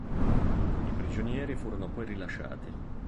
I prigionieri furono poi rilasciati.